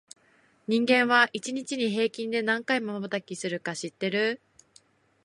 人間は、一日に平均で何回くらいまばたきをするか知ってる？